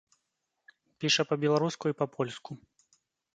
Піша па-беларуску і па-польску.